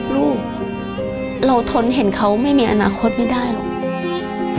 ลูกเราทนเห็นเขาไม่มีอนาคตไม่ได้หรอก